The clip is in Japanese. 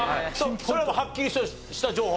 それはもうはっきりとした情報？